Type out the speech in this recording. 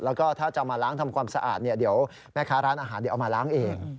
แล้วก็ถ้าจะมาล้างทำความสะอาดเนี่ยเดี๋ยวแม่ค้าร้านอาหารเดี๋ยวเอามาล้างเอง